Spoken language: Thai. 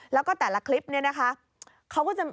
แล้วก็แต่ละคลิปนี้นะคะ